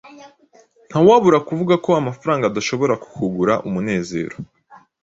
Ntawabura kuvuga ko amafaranga adashobora kukugura umunezero.